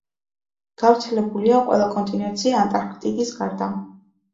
გავრცელებულია ყველა კონტინენტზე ანტარქტიდის გარდა.